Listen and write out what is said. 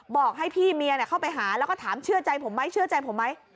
บอกให้พี่เมียเข้าไปหาแล้วก็ถามเชื่อใจผมไหมเชื่อใจผมไหม